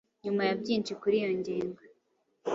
Nyuma ya byinshi kuri iyo ngingo,